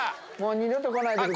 二度と来ないでください。